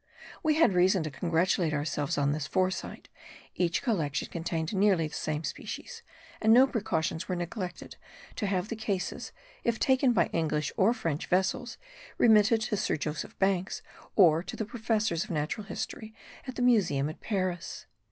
We had reason to congratulate ourselves on this foresight: each collection contained nearly the same species, and no precautions were neglected to have the cases, if taken by English or French vessels, remitted to Sir Joseph Banks or to the professors of natural history at the Museum at Paris.